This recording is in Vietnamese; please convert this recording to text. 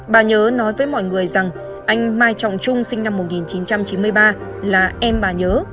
bà nhớ nói với mọi người rằng anh mai trọng trung sinh năm một nghìn chín trăm chín mươi ba là em bà nhớ